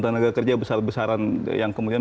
tenaga kerja besar besaran yang kemudian